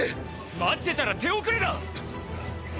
待ってたら手遅れだ！